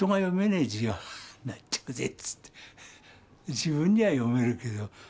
自分には読めるけど。